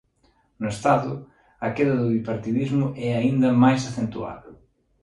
No Estado, a queda do bipartidismo é aínda máis acentuada.